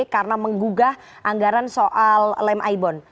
karena menggugah anggaran soal lem aibon